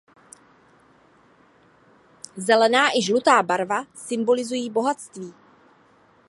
Zelená i žlutá barva symbolizují bohatství.